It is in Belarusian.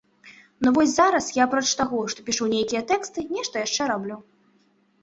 Ну вось зараз я апроч таго, што пішу нейкія тэксты, нешта яшчэ раблю.